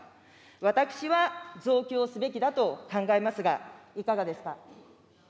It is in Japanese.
私は増強をすべきだと考えますが、いかがですか。